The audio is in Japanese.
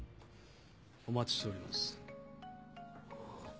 お待ちしております。